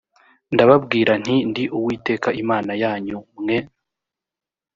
ndababwira nti ndi uwiteka imana yanyu mwe